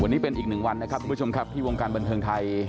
วันนี้เป็นอีกหนึ่งวันนะครับทุกผู้ชมครับที่วงการบันเทิงไทย